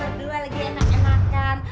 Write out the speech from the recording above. kalian berdua lagi enak enakan